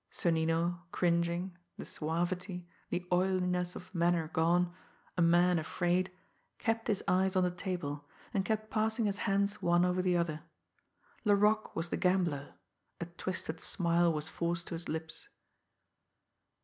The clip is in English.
Sonnino, cringing, the suavity, the oiliness of manner gone, a man afraid, kept his eyes on the table, and kept passing his hands one over the other. Laroque was the gambler a twisted smile was forced to his lips.